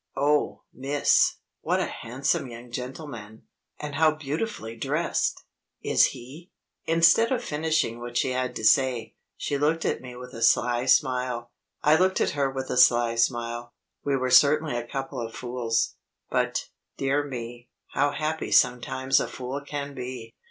"Oh, miss, what a handsome young gentleman, and how beautifully dressed! Is he ?" Instead of finishing what she had to say, she looked at me with a sly smile. I looked at her with a sly smile. We were certainly a couple of fools. But, dear me, how happy sometimes a fool can be!